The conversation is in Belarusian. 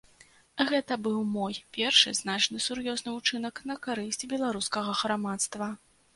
Гэта быў мой першы значны сур'ёзны ўчынак на карысць беларускага грамадства.